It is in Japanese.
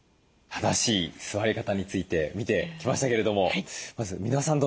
正しい座り方について見てきましたけれどもまず箕輪さん